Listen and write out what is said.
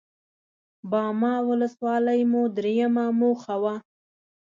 باما ولسوالي مو درېيمه موخه وه.